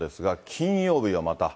金曜日がまた。